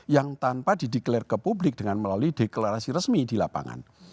yang tanpa dideklarasi ke publik dengan melalui deklarasi resmi di lapangan